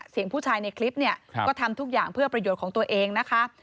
เสียงผู้ชายในคลิปเนี่ยก็ทำทุกอย่างเพื่อประโยชน์ของตัวเองนะคะ